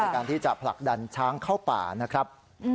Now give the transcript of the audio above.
การที่จะผลักดันช้างเข้าป่านะครับ